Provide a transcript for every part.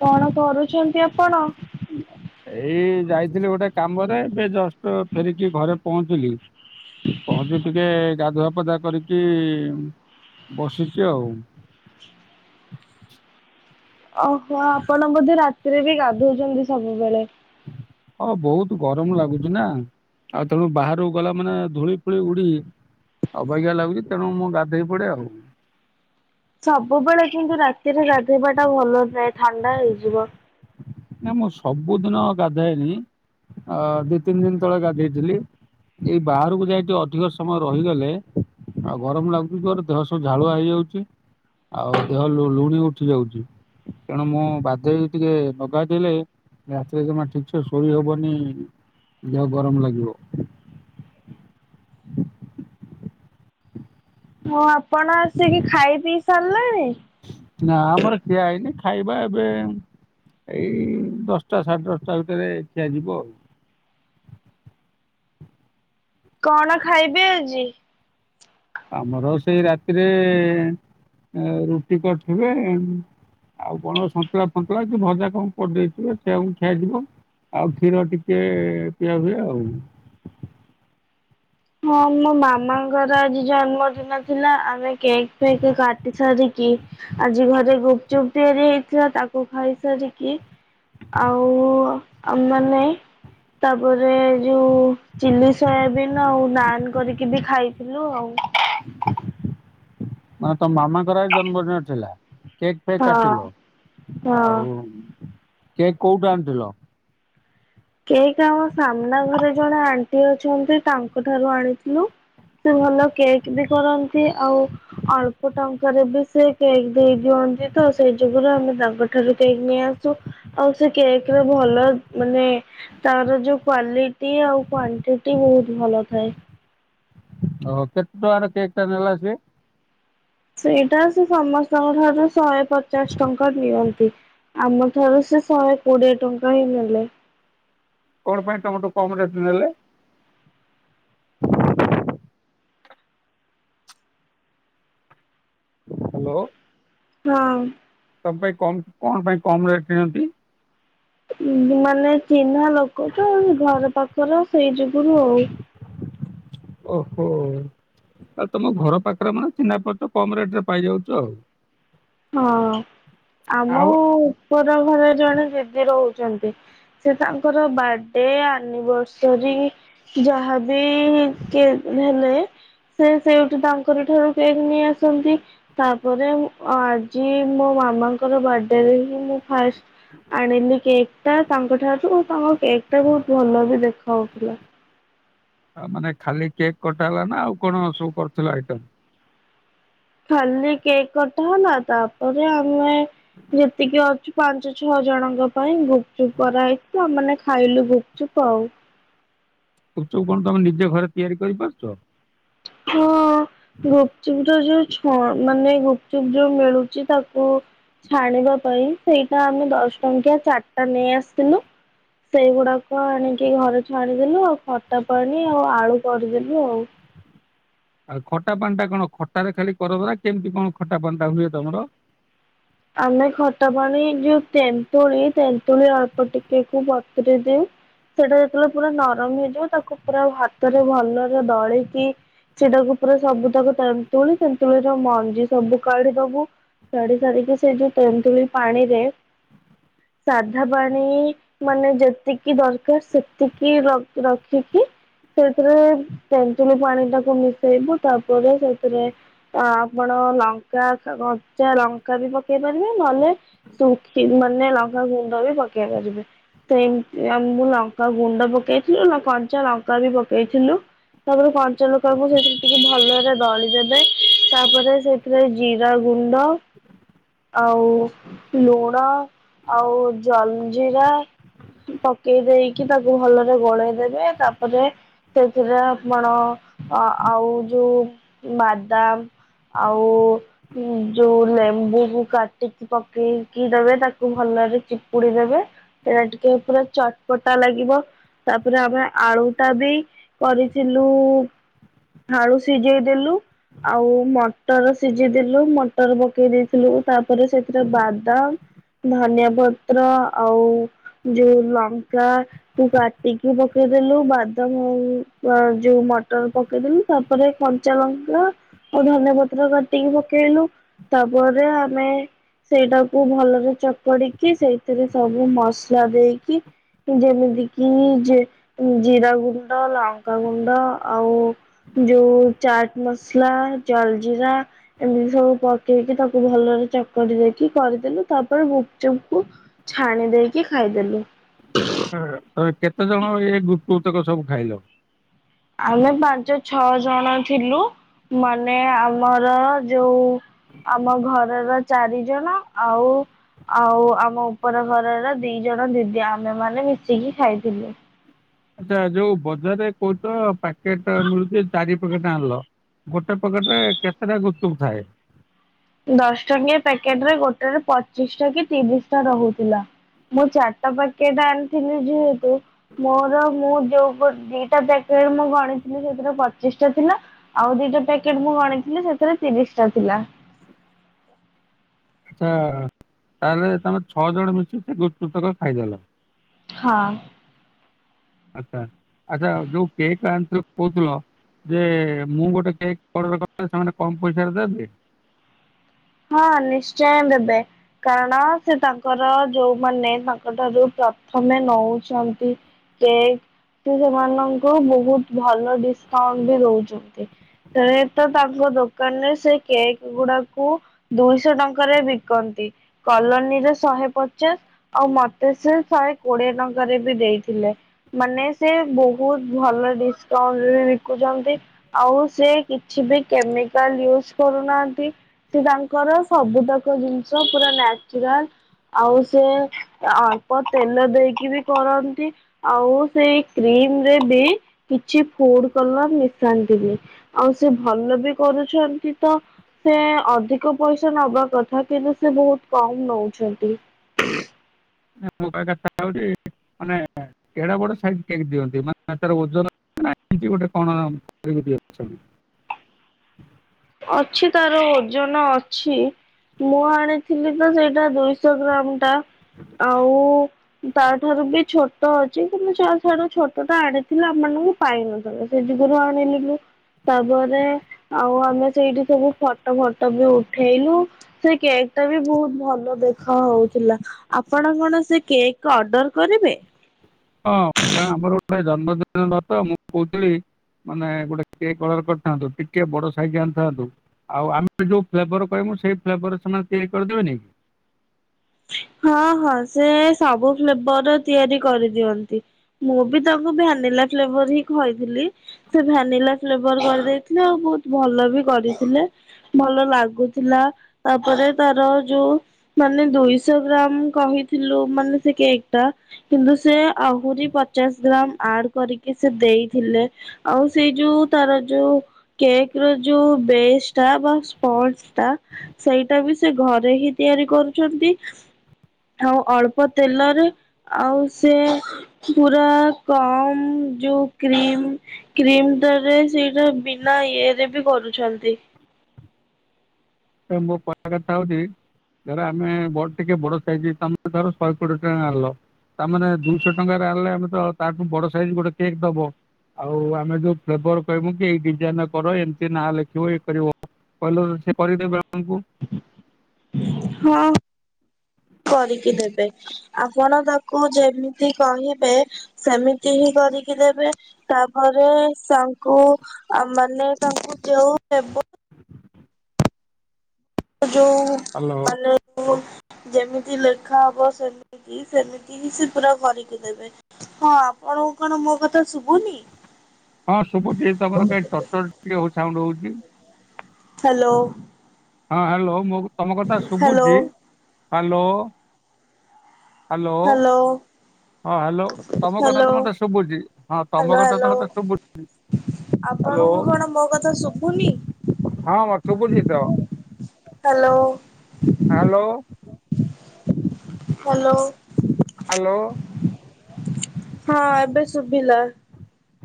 କଣ କରୁଚନ୍ତି ଆପଣ? [unintelligible] ଏଇ ଯାଇଥିଲି ଗୋଟେ କାମରେ, ଏବେ ଜଷ୍ଟ ଫେରିକି ଘରେ ପହଞ୍ଚିଲି। ପହଞ୍ଚି ଟିକେ ଗାଧୁଆପାଧୁଆ କରିକି ବସିଚି ଆଉ। ଓହୋ, ଆପଣ ବୋଧେ ରାତିରେ ବି ଗାଧଉଚନ୍ତି ସବୁବେଳେ? ହଁ ବହୁତ ଗରମ ଲାଗୁଚି ନା, ଆଉ ତେଣୁ ବାହାରକୁ ଗଲା ମାନେ ଧୂଳି ଫୁଳି ଉଡି ଅବାଗିଆ ଲାଗୁଚି, ତେଣୁ ମୁଁ ଗାଧେଇ ପଡେ ଆଉ। ସବୁବେଳେ କିନ୍ତୁ ରାତିରେ ରାଧେଇବା ଟା ଭଲ ନୁହେଁ, ଥଣ୍ଡା ହେଇଯିବ। ନା ମୁଁ ସବୁଦିନ ଗାଧଏନି, ଦି ତିନି ଦିନି ତଳେ ଗାଧେଇଥିଲି। ଏଇ ବାହାରକୁ ଯାଇ ଟିକେ ଅଧିକ ସମୟ ରହିଗଲେ ଆଉ ଗରମ ଲାଗୁଚି ଜୋରେ, ଦେହ ସବୁ ଝାଳୁଆ ହେଇଯାଉଚି ଆଉ ଦେହ ଲୁ ଲୁଣି ଉଠି ଯାଉଚି, ତେଣୁ ମୁଁ ବାଧ୍ୟ ହେଇ ଟିକେ ନ ଗାଧେଇଲେ, ରାତିରେ ଜମା ଠିକ୍ ସେ ଶୋଇ ହବନି, ଦେହ ଗରମ ଲାଗିବ। ହଁ, ଆପଣ ଆସିକି ଖାଇପିଇ ସାରିଲେଣି? ନା ଆମର ଖିଆ ହେଇନି, ଖାଇବା ଏବେ ଏଇ ଦଶଟା, ସାଢେ ଦଶଟା ଭିତରେ, ଖିଆ ଯିବ ଆଉ। କଣ ଖାଇବେ ଆଜି? ଆମର ସେଇ ରାତିରେ ରୁଟି କରିଥିବେ ଏ ଆଉ କଣ ସନ୍ତୁଳା ଫନ୍ତୁଳା, କି ଭଜା କଣ କରି ଦେଇଥିବେ, ସେଇଆକୁ ଖିଆଯିବ। ଆଉ କ୍ଷୀର ଟିକେ ପିଆ ହୁଏ ଆଉ। ହଁ ମୋ ମାମାଙ୍କର ଆଜି ଜନ୍ମଦିନ ଥିଲା, ଆମେ କେକ୍ ଫେକ୍ କାଟି ସାରିକି ଆଜି ଘରେ ଗୁପଚୁପ ତିଆରି ହେଇଥିଲା, ତାକୁ ଖାଇସାରିକି ଆଉ ଆମେ ମାନେ ତାପରେ ଯୋଉ ଚିଲ୍ଲୀ ସୋୟାବିନ୍ ଆଉ ନାନ୍ କରିକି ବି ଖାଇଥିଲୁ ଆଉ। ମାନେ ତମ ମାମାଙ୍କର ଜନ୍ମଦିନ ଥିଲା? କେକ୍ କ୍ ହଁ କାଟିଲ? ହଁ। ଆଉ କେକ୍ କୋଉଠୁ ଆଣିଥିଲ? କେକ୍ ଆମ ସାମ୍ନା ଘରେ ଜଣେ ଆଣ୍ଟି ଅଛନ୍ତି, ତାଙ୍କ ଠାରୁ ଆଣିଥିଲୁ। ସେ ଭଲ କେକ୍ ବି କରନ୍ତି, ଆଉ ଅଳ୍ପ ଟଙ୍କାରେ ବି ସେ କେକ୍ ଦେଇ ଦିଅନ୍ତି ତ, ସେଇ ଯୋଗୁରୁ ଆମେ ତାଙ୍କ ଠାରୁ କେକ୍ ନେଇଆସୁ। ଆଉ ସେ କେକ୍ ର ଭଲ ମାନେ ତାର ଯୋଉ କ୍ଵାଲିଟି ଆଉ କ୍ଵାଣ୍ଟିଟି ବହୁତ ଭଲ ଥାଏ। ଓ ହୋ, କେତେ ଟଙ୍କାର କେକ୍ ଟା ନେଲା ସିଏ? ସେଇଟା ସେ ସମସ୍ତଙ୍କ ଠାରୁ ଶହେ ପଚାଶ ଟଙ୍କା ନିଅନ୍ତି। ଆମ ଠାରୁ ସେ ଶହେ କୋଡିଏ ଟଙ୍କା ହିଁ ନେଲେ। କଣ ପାଇଁ ତମଠୁ କମ୍ ରେଟ୍ ନେଲେ? ହାଲୋ ହଁ ତମ ପାଇଁ କମ୍, କଣ ପାଇଁ କମ୍ ରେଟ୍ ନିଅନ୍ତି? ମାନେ ଚିହ୍ନା ଲୋକ ତ, ଘର ପାଖର, ସେଇ ଯୁଗୁରୁ ଆଉ। ଓହୋ। ଆଉ ତମ ଘର ପାଖରେ ମାନେ ଚିହ୍ନା ପରିଚ, କମ୍ ରେଟ଼ ରେ ପାଇଯାଉଚ ଆଉ। ହଁ, ଆଉ ଆମ ଉପର ଘରେ ଜଣେ ଦିଦି ରହୁଚନ୍ତି ସେ ତାଙ୍କର ବାଡେ ଆନିଭର୍ସରୀ ଯାହାବି କେ ହେଲେ ସେ ସେଇଠି ତାଙ୍କର ଠାରୁ କେକ୍ ନେଇ ଆସନ୍ତି ତାପରେ ଆଜି ମୋ ମାମାଙ୍କର ବାର୍ଥଡେରେ ହିଁ ମୁଁ ଫାଷ୍ଟ ଆଣିଲି କେକ୍। ତା ତାଙ୍କ ଠାରୁ ତାଙ୍କ କେକ୍ ଟା ବହୁତ ଭଲ ବି ଦେଖାଉଥିଲା। ଆଉ ମାନେ ଖାଲି କେକ୍ କଟା ହେଲା ନା ଆଉ କଣ ସବୁ କରୁଥିଲଥିଲା ଆଇଟମ। ଖାଲି କେକ୍ କଟା ହେଲା ତାପରେ ଆମେ ଯେତିକି ଅଛୁ ପାଞ୍ଚ ଛଅ ଜଣଙ୍କ ପାଇଁ ଗୁପଚୁପ କରାହେଇଛି ଆମାନେ ଖାଇଲୁ ଗୁପଚୁପ ଆଉ। ଗୁପଚୁପ କଣ ତମେ ନିଜେ ଘରେ ତିଆରି କରିପାରୁଛ। ହଁ। ଗୁପଚୁପ ର ଯୋଉ ଛ ମାନେ ଗୁପଚୁପ ଯୋଉ ମିଳୁଛି ତାକୁ ଛାଣିବା ପାଇଁ ସେଇଟା ଆମେ ଦଶ ଟଙ୍କିଆ ଚାରିଟା ନେଇ ଆସିଥିଲୁ। ସେଇଗୁଡାକ ଆଣିକି ଘରେ ଛୁଆଣିଦେଲୁ ଆଉ ଖଟା ପାଣି ଆଉ ଆଳୁ କରିଦେଲୁ ଆଉ। ଆଉ ଖଟା ପାଣି ଟା କଣ ଖଟାରେ ଖାଲି କରବ ନା କେମିତି କଣ ଖଟା ପାଣିଟା ହୁଏ ତମର। ଆମେ ଖଟା ପାଣି ଯଉ ତେନ୍ତୁଳି ତେନ୍ତୁଳି ଅଳ୍ପ ଟିକେ ବତ୍ରଇ ଦେଉ। ସେଇଟା ଯେତେବେଳେ ପୁରା ନରମ ହେଇଯିବ ତାକୁ ପୁରା ଭାତରେ ଭଲରେ ଦଳିକି ସେଟାକୁ ପୁରା ସବୁ ତାକୁ ତେନ୍ତୁଳି ତେନ୍ତୁଳିର ମଞ୍ଜି ସବୁ କାଢି ଦବୁ। କାଢି ସାରିକି ସେ ଯୋଉ ତନ୍ତୁଳି ପାଣିରେ ସାଧା ପାଣି ମାନେ ଯେତିକି ଦରକାର ସେତିକି ରଖିକି ସେଥିରେ ତେଞ୍ଚୁଲି ପାଣି ଟାକୁ ମିଶେଇବୁ ତାପରେ ସେଥିରେ ଆପଣ ଲଙ୍କା କଞ୍ଚା ଲଙ୍କା ବି ପକେଇ ପାରିବେ ନହେଲେ ଶୁଖି ମାନେ ଲଙ୍କା ଗୁଣ୍ଡ ବି ପକେଇ ପାରିବେ। ସେମତି ଆ ମୁଁ ଲଙ୍କା ଗୁଣ୍ଡ ପକେଇଥିଲୁ ନା କଞ୍ଚା ଲଙ୍କା ବି ପକେଇଥିଲୁ। ତାପରେ କଞ୍ଚା ଲଙ୍କା କୁ ସେଇଥିରେ ଟିକେ ଭଲରେ ଦଳିଦେବେ। ତାପରେ ସେଥିରେ ଜିରା ଗୁଣ୍ଡ ଆଉ ଲୁଣ ଆଉ ଜଲଜୀରା ପକେଇ ଦେଇକି ତାକୁ ଭଲରେ ଗୋଳେଇ ଦେବେ ତାପରେ ସେଥିରେ ଆପଣ ଆଉ ଯୋଉ ବାଦାମ ଆଉ ଯୋଉ ଲେମ୍ବୁ କାଟିକି ପକେଇକି ଦେବେ ତାକୁ ଭଲରେ ଚିପୁଡି ଦେବେ। ଏଇଟା ଟିକେ ପୁରା ଚଟପଟା ଲାଗିବ। ତାପରେ ଆମେ ଆଳୁ ଟା ବି କରିଥିଲୁ ଆଳୁ ସିଝେଇ ଦେଲୁ। ଆଉ ମଟର ସିଝିଦଲୁ ମଟର ପକେଇ ଦେଇଥିଲୁ ତା ପରେ ସେଥିରେ ବାଦାମ ଧନିଆ ପତ୍ର ଆଉ ଯେଉ ଲକା ତୁ କାଟିକି ପକେଇଦେଲୁ ବାଦାମ ଯୋଉ ମଟର ପକେଇଦେଲୁ। ତାପରେ କଞ୍ଚା ଲଙ୍କା ଆଉ ଧନିଆ ପତ୍ର କାଟିକି ପକେଇଲୁ। ତାପରେ ଆମେ ସେଇଟାକୁ ଭଲରେ ଚକଡିକି ସେଇଥିରେ ସବୁ ମସଲା ଦେଇକି ଯେମିତି କିି ଜିରା ଗୁଣ୍ଡ ଲଙ୍କାଗୁଣ୍ଡ ଆଉ ଯୋଉ ଚାଟ ମସଲା ଜଲ ଜିରା ଏମିତି ସବୁ ପକେଇକି ତାକୁ ଭଲରେ ଚ କରି ଦେଇକି କରିଦେଲୁ ତାପରେ ଗୁପଚୁପକୁୁ ଛାଣି ଦେଇକି ଖାଇଦେଲୁ। ତ କେତେ ଜଣ ଇଏ ଗୁୁତକ ସବୁ ଖାଇଲ? ଆମେ ପାଞ୍ଚ ଛଅ ଜଣ ଥିଲୁ ମାନେ ଆମର ଯୋଉ। ଆମ ଘରର ଚାରି ଜଣ ଆଉ। ଆଉ ଆମ ଉପର ଘରର ଦି ଜଣ ଦିଦି ଆମେ ମାନେ ମିଶିକି ଖାଇଥିଲୁ। ଆଛା ଯୋଉ ବଜାରରେ କହୁଛ ପ୍ୟାକେଟ ମିଳୁଛି ଚାରି ପକେଟ ଆଣିଲ। ଗୋଟେ ପକେଟ୍ ରେ କେତେଟା ଗୁପଚୁପ ଥାଏ? ଦଶ ଟଙ୍କିଆ ପ୍ୟାକେଟ୍ ରେ ଗୋଟାକରେ ପଚିଶ ଟା କି ତିରିଶ ଟା ରହୁଥିଲା। ମୁଁ ଚାରିଟା ପ୍ୟାକେଟ୍ ଆଣିଥିଲି ଯେହେତୁ। ମୋର ମୁଁ ଯୋଉ ପ ଦିଟା ପ୍ୟାକେଟ୍ ମୁଁ ଗଣିଥିଲି ସେଥିରେ ପଚିଶ ଟା ଥିଲା। ଆଉ ଦିଟା ପ୍ୟାକେଟ୍ ମୁଁ ଗଣଥିଲି ସେଥିରେ ତିରିଶ ଟା ଥିଲା। ଆଛା ତାହେଲେ ତମେ ଛଅ ଜଣ ମିଶିକି ସେ ଗୁପଚୁପ ତକ ଖାଇଦେଲ। ହାଁ। ଆଚ୍ଛା ଆଚ୍ଛା ଯୋଉ କେକ୍ ଆଣଥିଲ କହୁଥିଲ। ଯେ ମୁଁ ଗୋଟେ କେକ୍ ଅର୍ଡର କରିଥିଲେ ସେମାନେ କମ ପଇସାରେ ଦେବେ। ହଁ ନିଶ୍ଚୟ ଦେବେ। କାରଣ ସେ ତାଙ୍କର ଯୋଉମାନେ ତାଙ୍କ ଠାରୁ ପ୍ରଥମେ ନଉଛନ୍ତି। [unintelligible] ସେମାନଙ୍କୁ ବହୁତ୍ ଭଲ ଡିସକାଉଣ୍ଟ ବି ଦଉଛନ୍ତି। ସେ ତ ତାଙ୍କ ଦୋକାନ ରେ ସେ କେକ୍ ଗୁଡାକୁ। ଦୁଇଶହ ଟଙ୍କାରେ ବିକନ୍ତି କଲୋନୀରେ ଶହେ ପଚାଶ। ଆଉ ମତେ ସେ ଶହେ କୋଡିଏ ଟଙ୍କାରେ ବି ଦେଇଥିଲେ। ମାନେ ସେ ବହୁତ ଭଲ ଡିସକାଉଣ୍ଟରେ ବି ବିକୁଚନ୍ତି। ଆଉ ସେ କିଛି ବି କେମିକାଲ୍ ୟୁଜ୍ କରୁନାହାନ୍ତି ସେ ତା ର ସବୁ ତାକ ଜିନିଷ ପୁରା ନାଚୁରାଲ୍। ଆଉ ସେ ଅଳ୍ପ ତେଲ ଦେଇକି ବି କରନ୍ତି। ଆଉ ସେଇ କ୍ରିମରେ ବି କିଛି ଫୁଡ୍ କଲର ମିଶାନ୍ତିନି। ଆଉ ସେ ଭଲ ବି କରୁଛନ୍ତି ତ ସେ ଅଧି କ ପଇସା ନବା କଥା କିନ୍ତୁ ସେ ବହୁତ୍ କମ୍ ନଉଛନ୍ତି। ମୁଁ ତ ଏଇ ଜଷ୍ଟ କଥା ହଉଛି ମାନେ। କେଡେ ବଡ ସାଇଜ୍ କେକ୍ ଦିଅନ୍ତି ମାନେ ତାର ଓଜନ ନା ଏମତି ଗୋଟେ କଣ ଏମିତି ରଖିଛନ୍ତି? ଅଛି ତାର ଓଜନ ଅଛି। ମୁଁ ଆଣିଥିଲି ତ ସେଇଟା ଦୁଇଶହ ଗ୍ରାମ ଟା ଆଉ। ତା ଠାରୁ ବି ଛୋଟ ଅଛି କିନ୍ତୁ ଛା ଛାଡ଼ ଛୋଟଟା ଆଣିଥିଲେ ଆମମାନଙ୍କୁ। ପାଇନଥାନ୍ତା ସେଯୁଗୁରୁ ଆଣିଲିନି ତାପରେ ଆଉ ଆମେ। ସେଇଠି ସବୁ ଫଟୋ ଫଟ ବି ଉଠେଇଲୁ। ସେଇ କେକ୍ ଟା ବି ବହୁତ୍ ଭଲ ଦେଖା ହଉଥିଲା। ଆପଣ କଣ ସେ କେକ୍ ଅର୍ଡର କରିବେ? ହଁ କାରଣ ଆମର। ଗୋଟାଏ ଜନ୍ମଦିନ ର ତ ମୁଁ କହୁଥିଲି। ମାନେ ଗୋଟେ କେକ୍ ଅର୍ଡର କରିଥାନ୍ତୁ ଟିକେ ବଡ ସାଇଜି ଆଣିଥାନ୍ତୁ। ଆଉ ଆମେ ଯୋଉ ଫ୍ଲେଭର କହିମୁ ସେଇ ଫ୍ଲେଭର ସେମାନେ ତିଆରି କରିଦେବେ ନି? ହଁ ହଁ ସେ ସବୁ ଫ୍ଲେବର ର ତିଆରି କରିଦିଅନ୍ତି। ମୁଁ ବି ତାଙ୍କୁ ଭ୍ୟାନିଲା ଫ୍ଲେଭର ହିଁ କହିଥିଲି। ସେ ଭାନିଲା ଫ୍ଲେଭର କରିଦେଇଥିଲେ ଆଉ ବହୁତ୍ ଭଲ ବି କରିଥିଲେ। ଭଲ ଲାଗୁଥିଲା ତାପରେ ତାର ଯୋଉ ମାନେ ଦୁଇ ଶହ ଗ୍ରାମ୍ କହିଥିଲୁ ମାନେ ସେ କେକ୍ ଟା। କିନ୍ତୁ ସେ ଆହୁରି ପଚାଶ ଗ୍ରାମ ଆଡ କରିକି ସେ ଦେଇଥିଲେ। ଆଉ ସେଇ ଯୋଉ ତାର ଯୋଉ କେକ୍ ର ଯୋଉ ବେସ୍ ଟା ବା ସ୍ପଲ୍ ଟା ସେଇଟା ବି ସେ ଘରେ ହି ତିଆରି କରୁଚନ୍ତି। ହ ଆଉ ଅଳ୍ପ ତେଲରେ ଆଉ ସେ ପୁରା କମ୍ ଯୋଉ କ୍ରିମ୍ କ୍ରିମ୍ ଟାରେ ସେଇଟା ବିନା ଇଏରେ ବି କରୁଛନ୍ତି। ହେ ମୋ କହିବା କଥା ହଉଚି ଧର ଆମେ ବଡ୍ ଟିକେ ବଡ ଟିକେ ବଡ ସାଇଜ ତମ ଧର ଶହେ କୋଡିଏ ଟଙ୍କା ଆଣିଲ। ତା ମାନେ ଦୁଇଶହ ଟଙ୍କାରେ ଆଣିଲେ ଆମେ ତ ତାଠୁ ବଡ ସାଇଜ ଗୋଟେ କେକ୍ ଦବ। ଆଉ ଆମେ ଯୋଉ ଫ୍ଲେଭର କହିବୁ କି ଏଇ ଡିଜାଇନ ର କର ଏମତି ନାଁ ଲେଖିବ ଇଏ କରିବ। କହିଲୁ ସେ କରିଦେବେ ଆମୁକୁ। ହଁ କରିକି ଦେବେ। ଆପଣ ତାକୁ ଯେମିତି କହିବେ ସେମିତି ହିଁ କରିକି ଦେବେ। ତାପରେ ସାଙ୍କୁ ଆଉ ମାନେ ତାଙ୍କୁ ଯୋଉ ଫ୍ଲେବ ଯୋଉ ହାଲୋ। ଲା ଓ ହୋ। ଯେମିତି ଲେଖା ହବ ସେମିତି ସେମିତି ହିଁ ସେ ପୁରା କରିକି ଦେବେ। ହଁ ଆପଣଙ୍କୁ କଣ ମୋ କଥା ଶୁଭୁନି? ହଁ ଶୁଭୁଚି ତମର କାଇଁ ଟର୍ ଟର୍ ଟିକେ ହ ସାଉଣ୍ଡ ହଉଚି। ହ୍ୟାଲୋ। ହଁ ହ୍ୟାଲୋ ମୁଁ ତମ କଥା ହ୍ୟାଲୋ ଶୁଭୁଚି ହାଲୋ। ହାଲୋ। ହଁ ହାଲୋ ତମ କଥା ତ ମତେ ଶୁବୁଚି ହଁ ତମ ହ୍ୟାଲୋ କଥା ତ ହ୍ୟାଲୋ ମତେ ଶୁଭୁଚି। ଆପଣଙ୍କୁ କଣ ମୋ କଥା ଶୁଭୁନି? ହଁ ମତ୍ ଶୁବୁଚି ତ। ହାଲୋ। ହାଲୋ। ହାଲୋ। ହାଲୋ। ହଁ ଏବେ ଶୁବିଲା।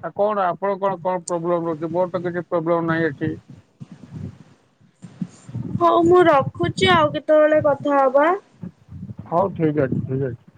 ଆଉ କଣ ଆପଣଙ୍କ କଣ କଣ ପ୍ରୋବ୍ଲେମ ରହୁଚି ମୋର ତ କିଛି ପ୍ରୋବ୍ଲେମ ନାହିଁ ଏଠି। ହଉ ମୁଁ ରଖୁଚି ଆଉ କେତବେଳେ କଥା ହବା। ହଉ ଠିକ୍ ଅଛି ଠିକ୍ ଅଛି।